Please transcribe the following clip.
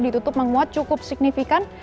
ditutup menguat cukup signifikan